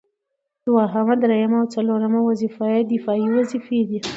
دوهم، دريمه او څلورمه وظيفه يې دفاعي وظيفي دي